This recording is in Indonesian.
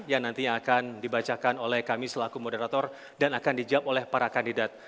yang nantinya akan dibacakan oleh kami selaku moderator dan akan dijawab oleh para kandidat